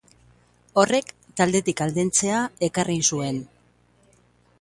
Horrek taldetik aldentzea ekarri zuen.